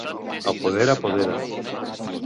El poder apodera.